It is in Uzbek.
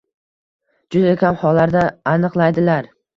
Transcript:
juda kam hollarda aniqlaydilar